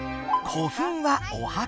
古墳はお墓。